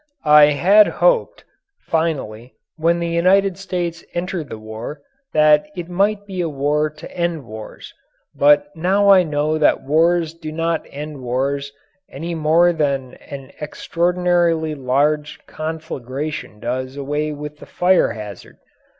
I had hoped, finally, when the United States entered the war, that it might be a war to end wars, but now I know that wars do not end wars any more than an extraordinarily large conflagration does away with the fire hazard.